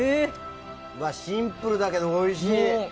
シンプルだけどおいしい。